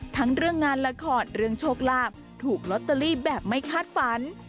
ทั้งเรื่องงานละครเรื่องโชคลาภถูกลอตเตอรี่แบบไม่คาดฝัน